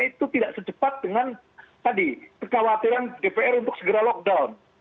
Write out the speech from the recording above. itu tidak secepat dengan tadi kekhawatiran dpr untuk segera lockdown